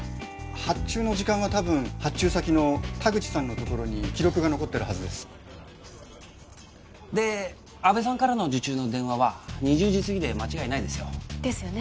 発注の時間は多分発注先の田口さんのところに記録が残ってるはずですで阿部さんからの受注の電話は２０時すぎで間違いないですよですよね